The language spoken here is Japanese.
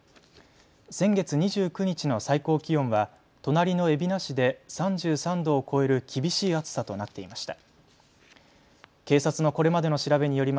先月２９日の最高気温は隣の海老名市で３３度を超える厳しい暑さとなっていました。